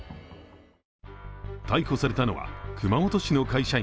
逮捕されたのは、熊本市の会社員、